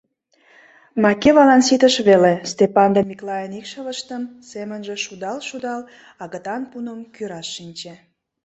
Макевалан ситыш веле, Стапан ден Миклайын икшывыштым семынже шудал-шудал, агытан пуным кӱраш шинче.